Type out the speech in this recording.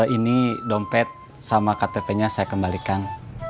ini dompet sama ktp nya saya kembalikan